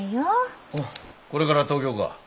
これから東京か。